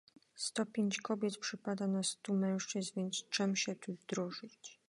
"Sto pięć kobiet przypada na stu mężczyzn, więc czem się tu drożyć?"